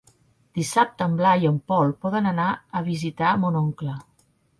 Dissabte en Blai i en Pol volen anar a visitar mon oncle.